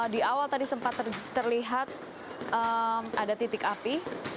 di awal tadi sempat terlihat ada titik api